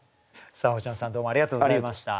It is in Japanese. さあ星野さんどうもありがとうございました。